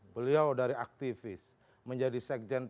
beliau dari aktivis menjadi sekjen